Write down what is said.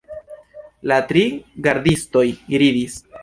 La tri gardistoj ridis.